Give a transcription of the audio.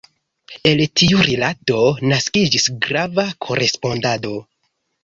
El tiu rilato naskiĝis grava korespondado.